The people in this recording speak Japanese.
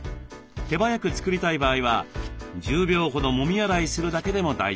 手早く作りたい場合は１０秒ほどもみ洗いするだけでも大丈夫。